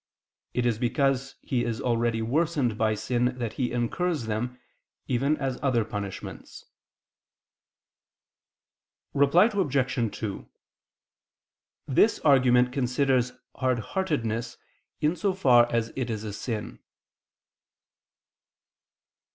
It is because he is already worsened by sin that he incurs them, even as other punishments. Reply Obj. 2: This argument considers hardheartedness in so far as it is a sin.